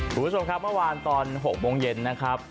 คุณผู้ชมครับเมื่อวานตอน๖โมงเย็นนะครับ